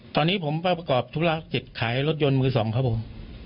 ตอนนี้ผมไปประกอบธุรกิจขายรถยนต์มือสองครับผม